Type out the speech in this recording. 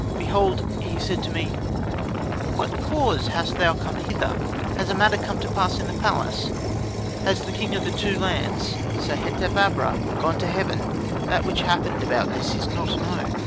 Behold he said to me, "For what cause hast thou come hither? Has a matter come to pass in the palace? Has the king of the two lands, Sehetep abra gone to heaven? That which has happened about this is not known."